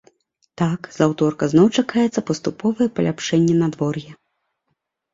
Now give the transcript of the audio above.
Так, з аўторка зноў чакаецца паступовае паляпшэнне надвор'я.